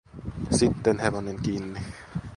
Sitten hevonen kiinni.